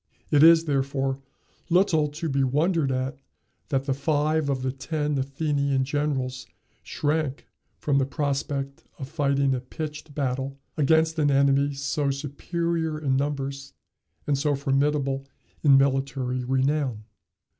It is, therefore, little to be wondered at that five of the ten Athenian generals shrank from the prospect of fighting a pitched battle against an enemy so superior in numbers and so formidable in military renown.